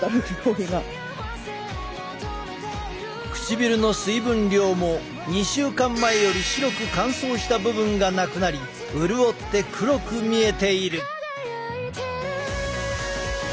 唇の水分量も２週間前より白く乾燥した部分がなくなり潤って黒く見えている！